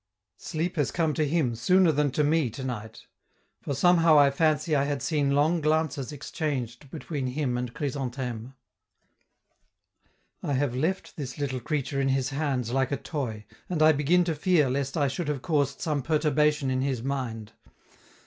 Sleep has come to him sooner than to me to night; for somehow I fancy I had seen long glances exchanged between him and Chrysantheme. I have left this little creature in his hands like a toy, and I begin to fear lest I should have caused some perturbation in his mind.